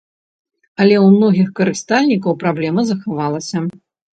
Але ў многіх карыстальнікаў праблема захавалася.